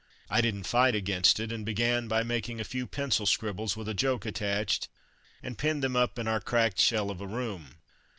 I didn't fight against it, and began by making a few pencil scribbles with a joke attached, and pinned them up in our cracked shell of a room.